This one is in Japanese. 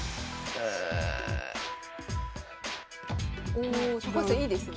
お高橋さんいいですね。